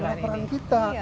lewat perairan kita